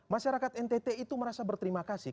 masyarakat ntt itu merasa berterima kasih